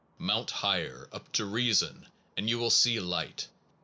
Mount higher, up to reason, and you will see light.